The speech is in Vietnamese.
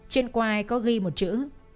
trên quai có ghi một chữ